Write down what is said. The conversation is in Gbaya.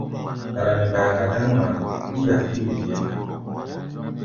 Fara nɛ mbayaŋa dáŋ ŋmaá, wíí-a kíí wen nyɛmná.